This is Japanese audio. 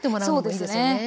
そうですね。